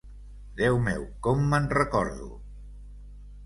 Déu meu, com me'n recordo!